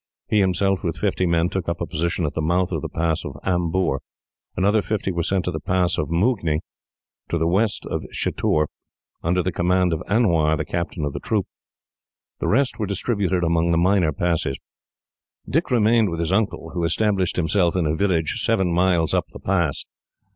He himself, with fifty men, took up a position at the mouth of the pass of Amboor. Another fifty were sent to the pass of Moognee, to the west of Chittoor, under the command of Anwar, the captain of the troop. The rest were distributed among the minor passes. Dick remained with his uncle, who established himself in a village, seven miles up the pass.